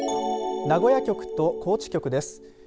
名古屋局と高知局です。